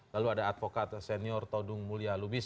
lalu ada advokat senior todung mulia lubis